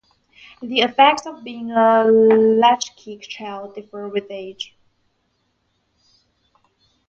The effects of being a latchkey child differ with age.